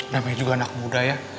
namanya juga anak muda ya